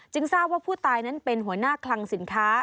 ทราบว่าผู้ตายนั้นเป็นหัวหน้าคลังสินค้า